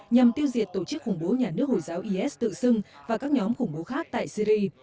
nhằm tiêu diệt tổ chức khủng bố nhà nước hồi giáo is tự xưng và các nhóm khủng bố khác tại syri